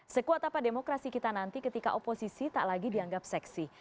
sekuat apa demokrasi kita nanti ketika oposisi tak lagi dianggap seksi